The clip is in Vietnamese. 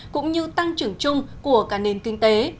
cũng như tăng trưởng chung của cả nền kinh tế